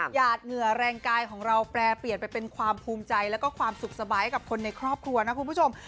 หดเหงื่อแรงกายของเราแปรเปลี่ยนไปเป็นความภูมิใจแล้วก็ความสุขสบายให้กับคนในครอบครัวนะคุณผู้ชม